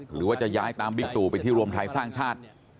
หรือว่าจะย้ายตามบิ๊กตู่ไปที่รวมไทยสร้างชาติ